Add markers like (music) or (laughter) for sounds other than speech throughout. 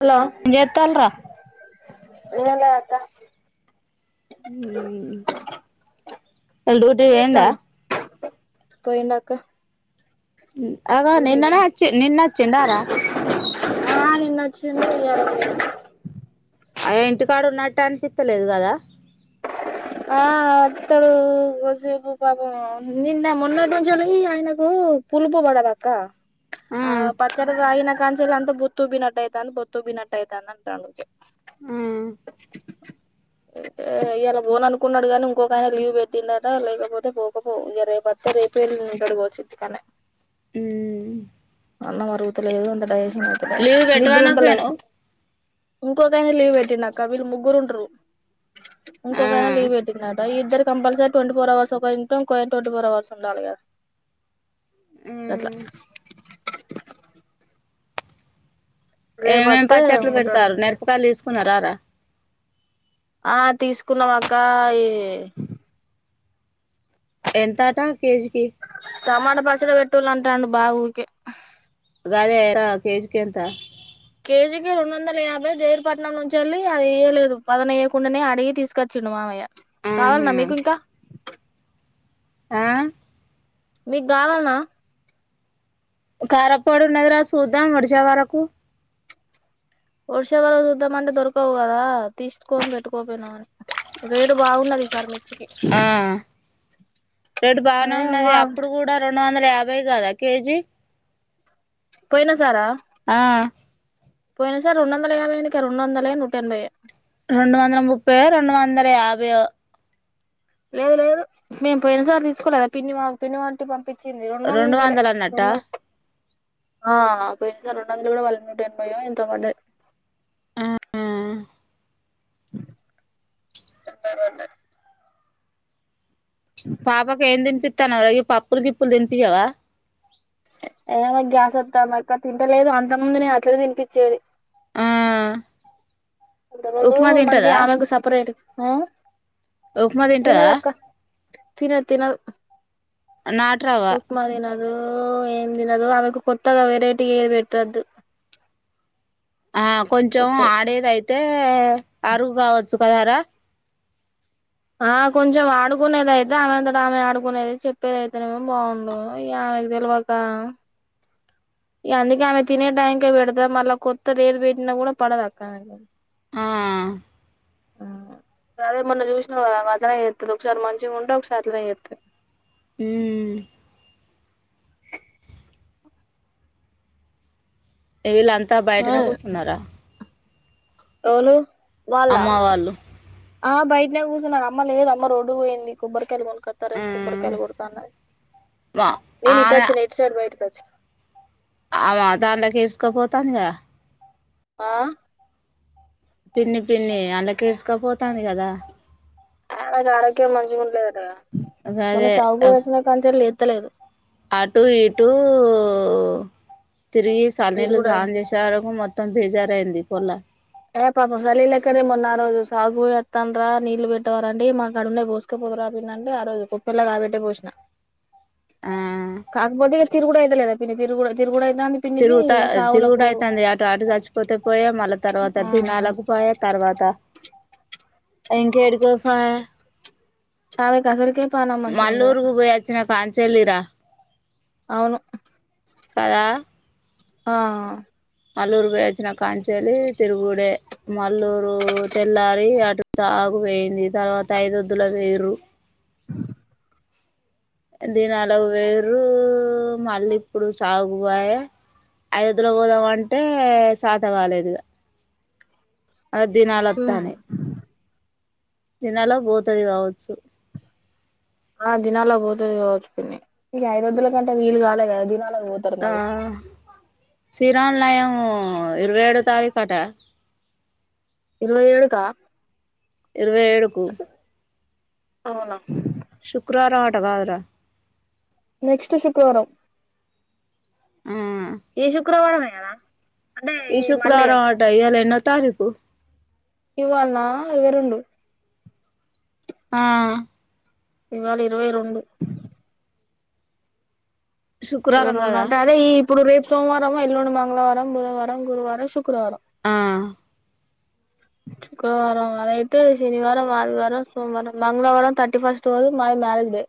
Hello ఏం చేత్తాల్రా (unintelligible) అక్క ఉమ్ ఇలా ఏం డ్యూటీకి పొయిండ చేత్తాలు పోయిండక్క అగో డ్యూటికి నిన్ననే వచ్చి నిన్న వచ్చిండారా పాయిన్ ఆ నిన్న అచ్చిండు ఇయ్యాల పో అయ్యో ఇంటికాడున్నట్టు అనిపిత్తలేదు కదా ఆ ఆత్తడు కొసేపు పాపం నిన్నా మనోట్నుంచెలి అయనాకు పులుపు బడదాక్క ఆ పచ్చడ తాగిన కాంన్చెలి అంత బొత్తూబినటైతాది బొత్తూబినటైతాంది అంటాండు ఉకె ఐతే ఇయలా పోను అనుకున్నాడుగాని ఇంకొకనా లీవ్ పెట్టిడట లేకపోతే పోకపోవ్ ఇగ రేపత్తే రేపే ఉంటాడుకాచ్చు ఇంటికాన్నే మ్మ్ అన్నం మరుగుతలేదు అంత డైజెషన్ అతలే లీవ్ నిద్ర పెట్టమనక ఉంటలేదు పోయినవ్ ఇంకొకైనా లీవ్ పెట్టిడక్క వీళ్ళు ముగ్గురు ఉంటరు ఇంకో ఆ గైనా లీవ్ పెట్టిండాట ఇగ ఇద్దరు కంపల్సరీ ట్వంటీ ఫోర్ అవర్స్ ఇంగ్టో ఇక్కోగాయన ట్వంటీ ఫోర్ అవర్స్ ఉండాలిగాద అట్ల మ్మ్ రేపు ఏమేం వత్తే పచ్చట్లు ఉంటాడు పెడుతారు నిరూపకాయలు తీసుకున్న రారా ఆ తీసుకున్నాం అక్క ఈ ఎంతట కేజీకి టమాటా పచ్చడ పెట్టులంటాండు బావుకే గదే ఎరా కేజికేంత పేజీకిి రెండు వందల యాభై దేర్పట్నం నుంచెలి అది ఇవ్యలేదు పదనేయ్యకుండానే అడిగి తీసుకచ్చిండు మామయ్య కావాలన్నా మీకు ఆహా ఇంకా ఆ మీకు గావాల్నా కారాపొడి ఉన్నది రా చూద్దాం వాడిసె వరకు ఒడిసే వరకు చూద్దాం అంటే దొరకవు కదా తీసుకొని పెట్టుకోపోయినవని రేటు బాగున్నది ఈ సారి మిర్చికి ఆ రేటు బానే అదే ఉన్నది మా అప్పుడు కూడా రెండు వందల యాభై కదా కేజీ పోయినా సారా ఆ పోయినా సారి రెండోందాల యాభైఎందుకాయే రరెండోందలే నూటెంబయే రెండు వందల ముపాయో రెండు వందల యాభయో లేదు లేదు మేము పోయినసారి తీసుకోలేదా పిన్ని మా పిన్ని వటి పంపి చింది రెండు రొండోందలే వందలు రొం అన్నట్టా ఆ అ పోయిన సారి రెండోన్ దాలు కూడా పాలే నూటెంబయో ఎంతో పడ్డద్ ఆ ఆ ఎనబై పడ్డద్ పాపకి ఏం తినిపిస్తానువ్ పప్పులు గిప్పులు తినిపింయ్యవా ఏమొ గ్యాసోతందక్క తింటలేదు అంత ముందు నేను అట్లనే తినిపిచ్చేది ఆ అంత ముందు ఉప్మా తింటదా మంచిగా ఆమెకు సపరేట్ ఆ ఊక్మ తింటదా తినద్ తినద్ నాట్రావ్వ ఓ ఏం తినదు ఆమెకు కొత్తగా వెరైటీగ ఏది పెట్టద్దు ఆ కొంచెం ఆడేదైతే అరుగు కావచ్చు కదారా ఆ కొంచెం ఆడుకునేదైతే ఆమెంతట ఆమె ఆడుకునేది చెప్పేది అయితేనేమో బాగుండదు ఇగ ఆమెకు తేల్వకా ఇగ అందుకే ఆమె తినే టైంకే పెడతా మళ్ళ కొత్తది ఎం పెట్టినా కూడా పడదు అక్క ఆమేకు ఆ ఆ అదే మొన్న జూసినవ్ కదా అట్లనే చేస్తది ఒకసారి మంచిగా ఉంటే ఒకసారి అట్లనే చేత్తది మ్మ్ వీళ్ళంతా బయటనే కూసున్నరా ఎవలు వాళ్ళ అమ్మ వాళ్ళు ఆ బయటనే కూసున్నది అమ్మ లేదు అమ్మ రోడ్డుకు పోయింది కొబ్బరికాయలు కొను కత్త రేప్ కొబ్బరికాయలు కోడుతాన్నది ఆ నిను ఇటచ్చిన ఇటుసైడ్ బయటి కోచ్ అ మ దాన్లకేస్కాపోతాందిగ ఆ పిన్ని పిన్ని అల్లకిడ్సకపోతాంది కదా? ఆయన ఆరోగ్యం మంచిగా ఉంటలేదటకదా మొన్న గదే సావుకు పోయాచ్చినకాంచెల్లి లేత్తలేడు. అటు ఇటు ఊ తిరిగి సల్ నీళ్ళు తిరుగుడు స్నానం అయింది చేసే వరకు మొత్తం బేజారైది పొల్ల ఏ పాపం సలీ లెక్కనే మొన్న అ రోజు సావుకు పోయోత్తండ్రా నీళ్లు పెట్టవార అంటే ఇగ మాకడునై పోసుకపో కోరా పిన్ని అంటే ఆ రోజు కుప్పర్ల కాబెట్టే పోసిన ఆ కాకపోతే ఇగ తిరుగుడఅయితలేదు ఆ పిల్ల తిరుగుడ్ తిరుగుడ అయ్ అయితాంది పిన్నికి తిరుగుత తిరుగుడు అయితాంది అటు అటు చచ్చిపోతే పోయా మళ్ళా తిర్ తర్వాత ఆ తినాలా బుకా తర్వాత (inaudible) ఎంకా ఎడుకో పాయ్ ఆమె అసల్కే మల్లూరుకు పోయచ్చిన కాంచెళ్ళి ర అవును ఆ మల్లూరు పోయచ్చిన కాంచెలి తిరుగుడే మల్లూరు తెల్లారి అటు తాగుపోయింది తర్వాత ఐదొద్దుల వొయుర్రు దినాలకు వొయుర్రు ఊ మళ్ళీ ఇప్పుడు సావుకు పాయె ఐదుద్దులో పోదామంటే శాత కాలేదిగా అ దినాలు అత్తానయ్ దినాలకు పోతది కావచ్చు ఆ దినాల పోతది కావచ్చు పిన్ని ఇగ ఐదోద్దులు కంటే వీలు కాలే కదా దినల ఆ శ్రీరామనయం ఇరవై ఏడు తారీక్ అట ఇరవై ఏడు కా ఇరవై ఏడు కు అవున శుక్రవారం అట కాదురా నెక్స్ట్ శుక్రవారం ఆ ఈ సుక్రవారం మె గద ఈ శుక్రవారం అట ఇయాల ఎన్నో తారీకు ఇవ్వాల్నా ఇరవై రెండు ఆ ఇవాళ ఇరవై రొండు వై శుక్రవారం రెండు కదా అంటే అదే ఈ ఇప్పుడు రేపు సోమవారం ఎల్లుండి మంగళవారం బుధవారం గురువారం శుక్రవారం ఆ శుక్రవారం అదైతే శనివారం, ఆదివారం, సోమవారం, మంగళవారం, థర్టీ ఫస్ట్ రోజు మాది మార్ మ్యారేజ్ డే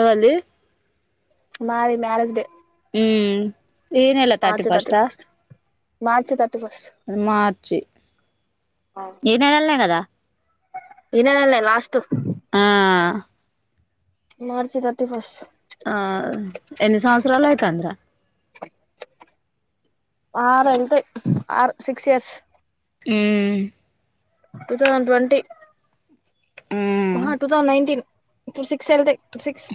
ఎవల్ది మాది మ్యారేజ్ డే ఉమ్మ్ ఈ నెల థర్టీ ఫస్ట్ హ మార్చ్ థర్ట్ ఉమ్ మార్చి ఈ నెలల్నే కదా ఈ నెలల్నే లాస్ట్ ఆ మార్చి థర్టీ ఫస్ట్ ఆ ఎన్ని సంవత్సరాల అయితాంది రా? ఆరు ఎల్తయ్ ఆరు సిక్స్ ఇయర్స్ ఉమ్మ్ టూ థౌజండ్ ట్వంటి ఉమ్ ఉహు టూ థౌజండ్ నైన్టిన్ ఇప్పుడు సిక్స్ వెళ్తే సిక్స్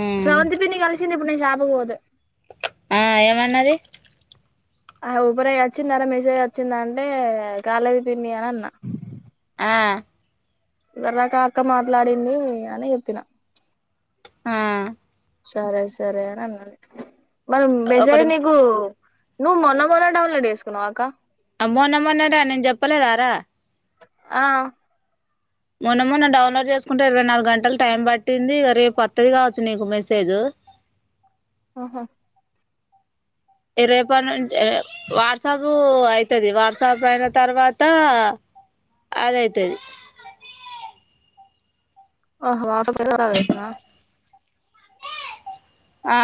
ఉమ్ స్రవంతి పిన్ని కలిసింది నేను షాప్ కు పోతే ఆ ఏమన్నది? ఆ ఉబరై ఓచ్చిందార మెసేజ్ ఒచ్చిందా అంటే రాలేదు పిన్ని అని అన్నా ఆ వరక అక్క మాట్లాడింది అనె చెప్పిన ఆ సరే సరే అని అన్నది మరి మెసేజ్ ఒకటి నీకు నువ్వు మొన్న మొన్న డౌన్లోడ్ జేసుకున్నావక్క ఆమ్ మొన్నమొన్నటా నేన్ చెప్పలేదార ఆ మొన్న మొన్న డౌన్లోడ్ జెసుకుంటే ఇరవై నాల్గంటల్ టైం పట్టింది ఇగ రేపోత్తది కావచ్చు నీకు మెసేజ్ అ హ రేపట్నుంచి అ వాట్సాపూ అయితది వాట్సాప్ అయిన తర్వాతా అదైతది ఓహో (unintelligible) అయితుందా ఆ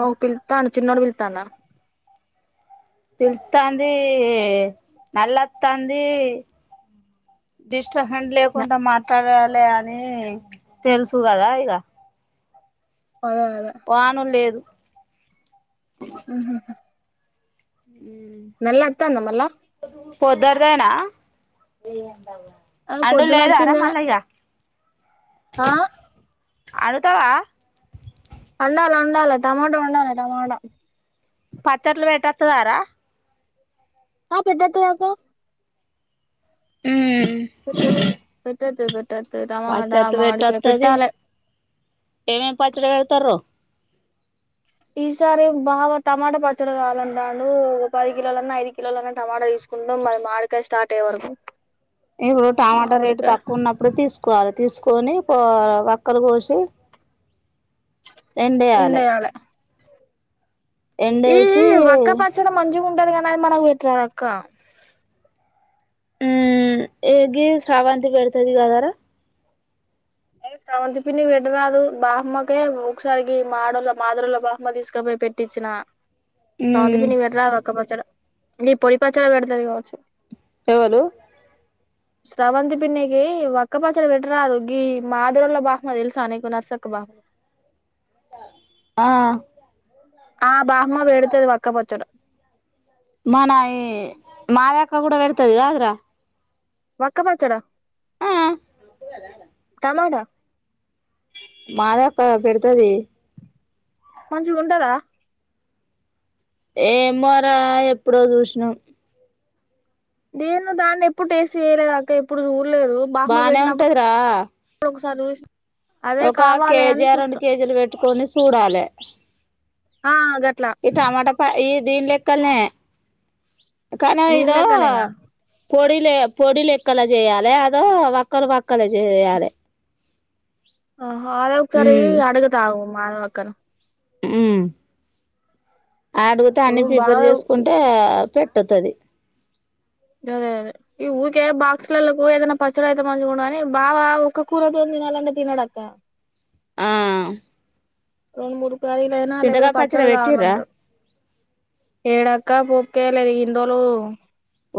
ఓ పిల్తాండు చిన్నోడు పిలుతాండ పిలుతాంది నల్లోతాంది చోహన్ లేకుంట మాట్లాడాలే అనీ తెలుసు గదా ఇగ అదే అదే వానుల్లేదు ఉమ్ హు హు నల్లోతాంద మళ్ళ పొద్దడ్దీనా ఆ పొద్దున అండుడ్లేదర వచ్చింది మళ్ళ ఇగ ఆ అల్కవా అండాలె అండాలె టమాటా ఓండాలె టమోటా పచ్చట్లు వెట్టోత్తదార ఆ పెట్టోతయాకు ఉమ్ టోతది టమాట మావిడికై పెట్టాలె ఏమేం పాచ్చడి పెడితార్రు ఈసారి బావ టమాటా పచ్చడి కావాలంటండూ ఒక పది కిలోలన్నా ఐదు కిలోలన్నా టమాటా తి కుందం మరి మావిడికై స్టార్ట్ అయ్యే వరకు ఇగో టమాటా రేటు మామిడికాయ తక్కువున్నప్పుడే తీసుకోవాలే తీసుకొని పో వక్కలు పోసి ఎండెయాలె ఎండేయాలె ఈ ఈ వక్క పచ్చడి మంచిగుంటది కానీ అద్ మనక్ వెట్రాద్దక్క ఉమ్ ఏ గీ శ్రవంతి వెడ్తది గదర ఎ స్రవంతి పిన్ని వెట్టరదు బాహమ్మకే ఒకసారి గీ మాడోల మాదురోల బాహమ్మ తీసుకపోయి పే పెట్టిచినా స్రవంతి మ్మ్ పిన్ని కీ పేటరాదక్క పచ్చడ అన్ని పోయి పచ్చడ పేడ్తది కావచ్చు ఎవలూ శ్రవంతి పిన్ని కీ వక్కపచడి పేటరాదు గీ మాధవి వాళ బహ్మ తేల్సానీకు నర్సక్క బామ ఆ ఆ బాహమ్మ వేడ్తది వక్క పచ్చడ మన ఈ మాయక్క గూడ వెడ్తది గదర వక్కపచ్చడ టమాటా ఆ పెడ్తది మంచ్ ఉంటదా ఎమో రా ఎప్పుడో జుష్ నాం దీన్ను దాన్ని ఎప్పుడు టేస్ట్ చేయలేదక్క ఎప్పుడు జూర్లేదు బాహమ్మ బానే ఉంటదిరా పెట్టినప్పుడు ఒక సార్లు జుసిన ఒక కేజీ అ రెండు కేజీలు పెట్టుకొని సుడాలె ఆ గట్ ఈ టమాటప ఈ దీన్ లేక్కల్ నే కనో దీని ఇదో లెక్కనేనా పొడిలె పొడిలెక్కల జేయాలే అదో వక్కల్ వక్కల్ జేయాలె ఆహా అదొక్ సారి ఈ అడుగతాగు మాధవక్కాను ఉమ్ అడుగుత అన్ని నువ్వు ప్రిపేర్ బాగా జేస్ కుంటే పెట్టోత్తది గదె అదే ఈ ఊకే బాక్సులల్లకు ఏదైనా పచ్చడి అయితే మంచిగుండని బవా ఒక్క కూరతోన్ తినాలంటె తినడక్క అమ్ రొండు మూడ్ కారీలయినా లేపోతే పచ్చడ పచ్చడి పెట్టిర్రా గావాలంటర్ ఏడక్క ఒప్ కే లేద్ ఇన్ రోలు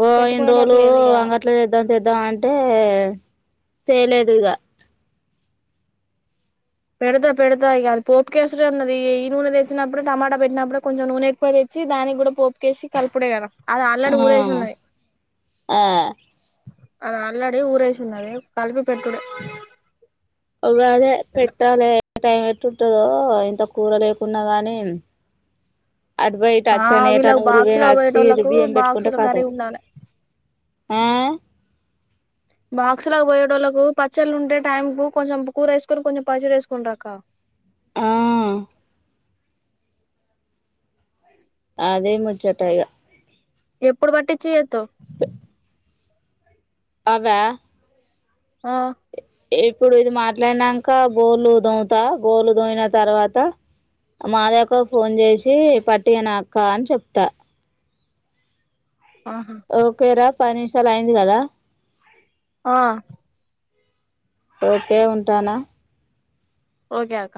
ఓ ఇన్ రోలు అంగట్ల తేద్దాం తేద్దాం అంటే ఎ తేలేదుగ పెడతా పెడతా ఇగ అద్ పోపు కేే రనే అన్నది ఈ నూనె దెచ్చినప్పుడు టమాటా పెట్ నప్పుడు కొంజం నూనె ఎక్కు దెత్ చ్చి దాని గుడ పోపుకేసి కలుపుడే గద అద్ ఆల్ ఆ రడీ ఊరేశున్నది ఆ అది ఆల్ రడి ఊరేశూన్నది కలిపి పెట్టుడె ఓవ్రదె పెట్టాలే ట్యా యట్టుంటదో ఇంత కూర లేకున్నా గానీ మ్ అటు బోయ్ ఆ ఇటచ్చన్న వీళ్ళకి ఏటన్న ఉరిక్ బాక్స్ లో పేనా ఒచ్చి ఇరు పోయేటోళ్ళలకు బియ్యం బెట్టుకుంటే బాక్సుల కర్రీ కాతం ఉండాలి ఆ బాక్సుల బోయేటోళ్ళలకు పచ్చళ్ళు ఉంటే టైం కు కొంచెం బు కూర యేసుకొని కొంచెం పచ్చడేస్ కుంటక్క ఆ అదే ముచ్చట ఇగ ఎప్పుడ్ బట్టిచ్చి ఎత్తవ్ అవా ఆ ఇప్పుడు ఇది మాట్లాడ్ నంక బొల్లు దోమ్ తా బోల్లు దోమిన తర్వాత మాధక్కవ్ ఫోన్ జేసి పట్టియినా అక్క అన్ చెప్ తా ఆహా ఓకేరా పర్ నిమ్ షాలు అయింది గదా ఆ ఓకే ఉంటానా ఒకే అక్క